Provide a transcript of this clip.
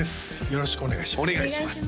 よろしくお願いします